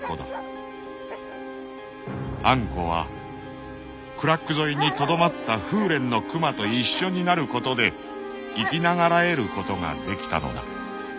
［アンコはクラック沿いにとどまった風連のクマと一緒になることで生き長らえることができたのだ］